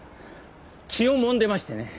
気をもんでましてね。